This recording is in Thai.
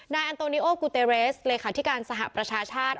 นายอันโตเนีโอกูเตรีไสเลยคาที่การสหประชาชาชาติ